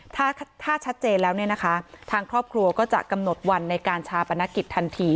ถ้าถ้าชัดเจนแล้วเนี่ยนะคะทางครอบครัวก็จะกำหนดวันในการชาปนกิจทันที